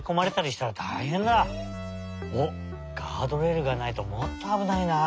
おっガードレールがないともっとあぶないなあ。